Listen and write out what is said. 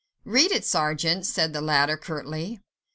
"Read it, sergeant," said the latter curtly.